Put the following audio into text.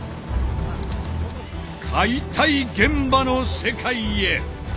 解体現場の世界へ！